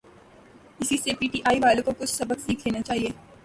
اسی سے P T I والوں کو کچھ سبق سیکھ لینا چاہیے۔